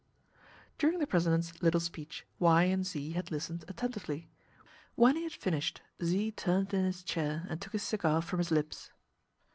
During the president's little speech, Y and Z had listened attentively. When he had finished, Z turned in his chair and took his cigar from his lips.